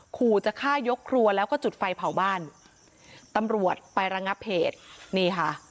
ขู่จะฆ่ายกครัวแล้วก็จุดไฟเผาบ้านตำรวจไประงับเหตุนี่ค่ะ